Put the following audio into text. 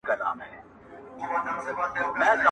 نن د څراغ پليته نــــــه لـــــگــيــــــــــــږي,